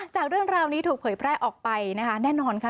จากเรื่องราวนี้ถูกเผยแพร่ออกไปนะคะแน่นอนค่ะ